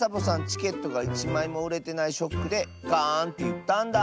チケットがいちまいもうれてないショックでガーンっていったんだ。